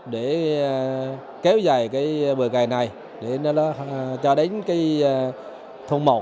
để kéo dài cái bờ gài này để nó cho đến cái thôn một